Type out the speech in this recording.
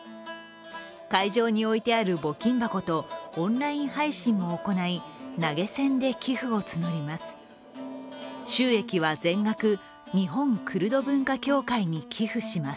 会場に置いてある募金箱とオンライン配信を行い投げ銭で寄付を募ります。